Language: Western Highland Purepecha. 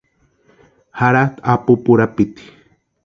Jaratʼi apupu urapiti.